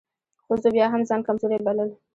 ښځو بيا هم ځان کمزورۍ بلل .